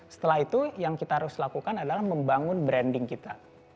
setelah itu yang kita harus lakukan adalah membangun branding kita